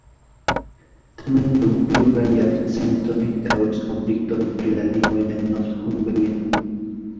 Tamen dum pluraj jarcentoj daŭris konfliktoj pri la limoj de Northumbria.